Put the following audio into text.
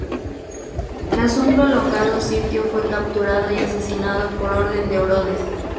Tras un prolongado sitio fue capturado y asesinado por orden de Orodes.